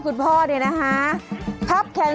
อยู่นี่หุ่นใดมาเพียบเลย